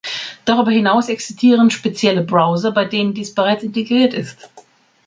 Darüber hinaus existieren spezielle Browser, bei denen dies bereits integriert ist.